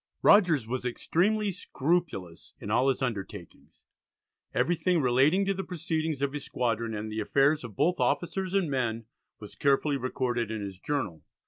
Rogers was extremely scrupulous in all his undertakings; everything relating to the proceedings of his squadron and the affairs of both officers and men was carefully recorded in his journal.